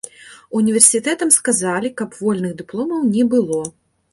Універсітэтам сказалі, каб вольных дыпломаў не было.